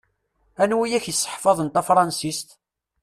Anwa i ak-iseḥfaḍen tafṛansist?